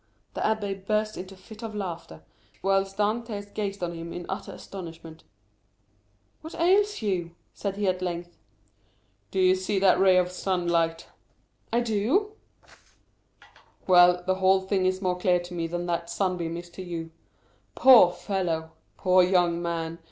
The abbé burst into a fit of laughter, while Dantès gazed on him in utter astonishment. "What ails you?" said he at length. "Do you see that ray of sunlight?" "I do." "Well, the whole thing is more clear to me than that sunbeam is to you. Poor fellow! poor young man!